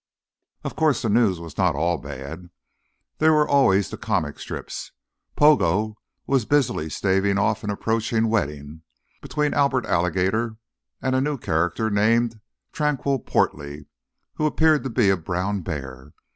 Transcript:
Of course, the news was not all bad. There were always the comic strips. Pogo was busily staving off an approaching wedding between Albert Alligator and a new character named Tranquil Portly, who appeared to be a brown bear.